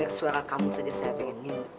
dengar suara kamu saja saya ingin minta